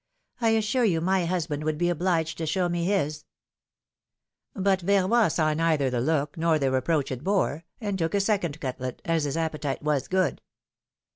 I assure you my husband would be obliged to show me his !" philom^ine's marriages. 241 But Verroy saw neither the look nor the reproach it bore, and took a second cutlet, as his appetite was good.